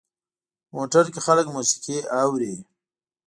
موټر کې خلک موسیقي اوري.